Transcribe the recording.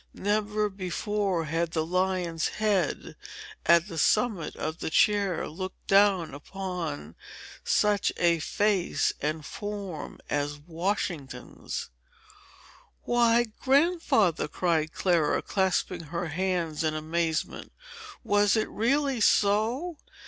Never before had the lion's head, at the summit of the chair, looked down upon such a face and form as Washington's!" "Why! Grandfather," cried Clara, clasping her hands in amazement, "was it really so?